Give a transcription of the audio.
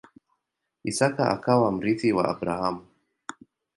Isaka akawa mrithi wa Abrahamu.